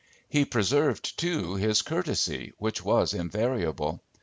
He preserved, too, his courtesy which was invariable.